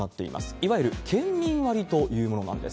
いわゆる県民割というものなんです。